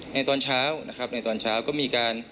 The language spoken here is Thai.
ตอนเช้านะครับในตอนเช้าก็มีการ